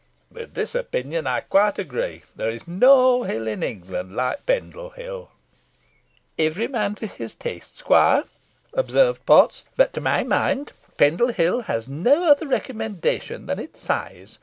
With this opinion I quite agree. There is no hill in England like Pendle Hill." "Every man to his taste, squire," observed Potts; "but to my mind, Pendle Hill has no other recommendation than its size.